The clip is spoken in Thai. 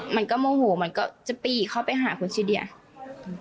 มันก็โมโหมันก็จะปีกเข้าไปหาคุณซิเดีย